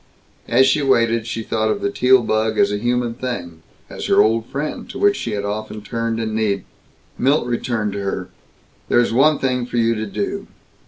As she waited she thought of the Teal bug as a human thing as her old friend, to which she had often turned in need. Milt returned to her. "There is one thing for you to do.